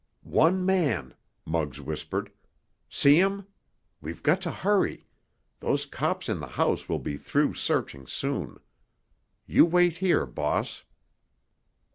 "One man," Muggs whispered. "See him? We've got to hurry—those cops in the house will be through searching soon. You wait here, boss."